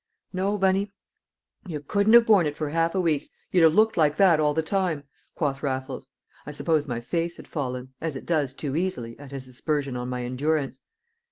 "No, Bunny, you couldn't have borne it for half a week; you'd have looked like that all the time!" quoth Raffles. I suppose my face had fallen (as it does too easily) at his aspersion on my endurance.